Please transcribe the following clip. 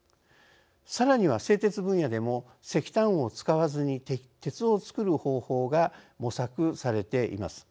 さらには製鉄分野でも石炭を使わずに鉄を作る方法が模索されています。